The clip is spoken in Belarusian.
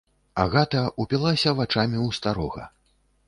Агата ўпілася вачамі ў старога.